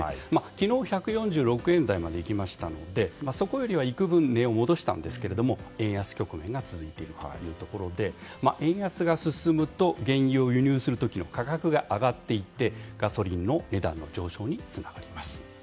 昨日１４６円台まで行きましたのでそこよりは幾分値を戻したんですが円安局面が続いているというところで円安が進むと原油を輸入する時の価格が上がっていってガソリンの値段上昇につながります。